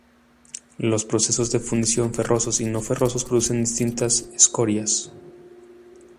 Los procesos de fundición ferrosos y no ferrosos producen distintas escorias.